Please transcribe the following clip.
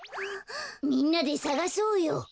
みんなでさがそうよ。